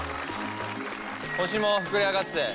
星も膨れ上がって。